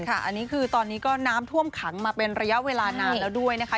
อันนี้คือตอนนี้ก็น้ำท่วมขังมาเป็นระยะเวลานานแล้วด้วยนะคะ